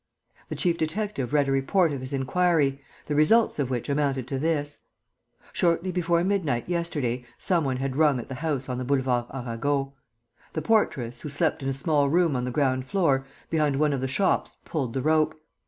The chief detective read a report of his inquiry, the results of which amounted to this: shortly before midnight yesterday some one had rung at the house on the Boulevard Arago. The portress, who slept in a small room on the ground floor, behind one of the shops pulled the rope.